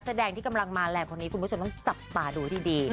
แสดงที่กำลังมาแรงคนนี้คุณผู้ชมต้องจับตาดูให้ดี